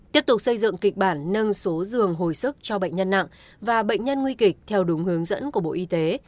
tiếp tục xây dựng kịch bản nâng số giường hồi sức cho bệnh nhân nặng và bệnh nhân nguy kịch theo đúng hướng dẫn của bộ y tế